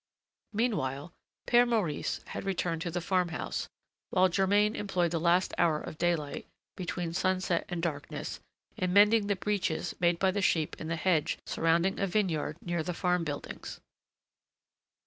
Meanwhile, Père Maurice had returned to the farm house, while Germain employed the last hour of daylight, between sunset and darkness, in mending the breaches made by the sheep in the hedge surrounding a vineyard near the farm buildings.